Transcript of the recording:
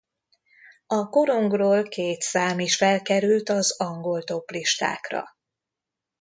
A korongról két szám is felkerült az angol toplistákra.